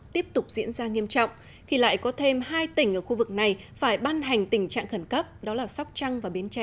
tiếp tục diễn ra nghiêm trọng khi lại có thêm hai tỉnh ở khu vực này phải ban hành tình trạng khẩn cấp đó là sóc trăng và biến tre